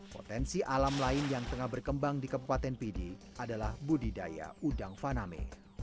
potensi alam lain yang tengah berkembang di kabupaten pidi adalah budidaya udang faname